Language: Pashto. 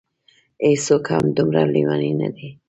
هېڅوک هم دومره لېوني نه دي.